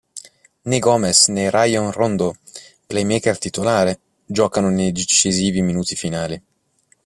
Né Gomes né Rajon Rondo, playmaker titolare, giocano nei decisivi minuti finali.